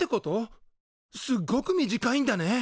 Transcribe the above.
すっごく短いんだね。